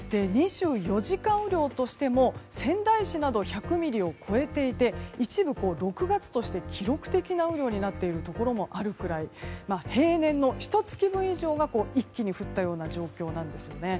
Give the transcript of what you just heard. ２４時間雨量としても仙台市など１００ミリを超えていて一部６月として記録的な雨量になっているところもあるくらい平年のひと月分以上が一気に降ったような状況なんです。